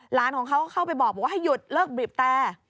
หลานของเขาก็เข้าไปบอกว่าให้หยุดเลิกบีบแต่